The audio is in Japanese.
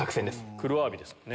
黒アワビですもんね。